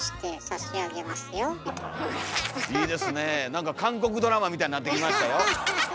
なんか韓国ドラマみたいになってきましたよ。